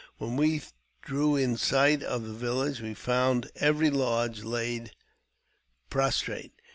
When we drew in sight of the village, we found every lodge laid prostrate.